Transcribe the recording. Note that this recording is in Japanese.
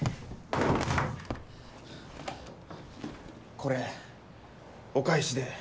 これお返しで。